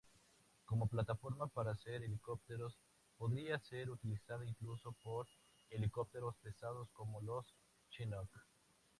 Como plataforma para helicópteros, podría ser utilizada incluso por helicópteros pesados como los Chinook.